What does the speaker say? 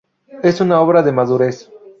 Es una obra de madurez.